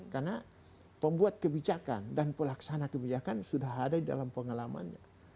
karena pembuat kebijakan dan pelaksana kebijakan sudah ada di dalam pengalamannya